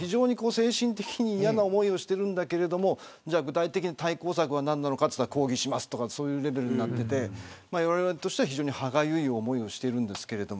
精神的に嫌な思いをしているんだけど具体的な対抗策は何なのかというと抗議しますとかそういうレベルでわれわれとしては歯がゆい思いをしています。